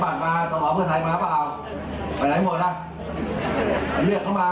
นี่ไงนะคุณท่าน